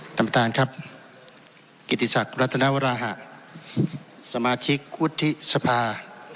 ท่านประธานครับกิติศักดิ์รัฐนาวราหะสมาชิกวุฒิสภา